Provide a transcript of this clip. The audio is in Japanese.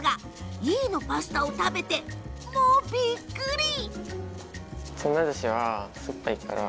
飯のパスタを食べてもうびっくり。